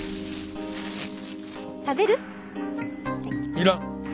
いらん。